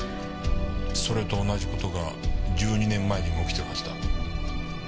それと同じ事が１２年前にも起きてるはずだ。